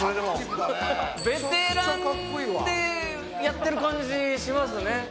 ベテランでやってる感じしますね。